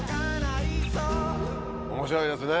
面白いですね。